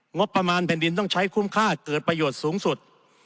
งบประมาณแผ่นดินต้องใช้คุ้มค่าเกิดประโยชน์สูงสุด